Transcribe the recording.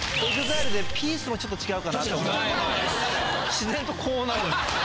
自然とこうなるんです！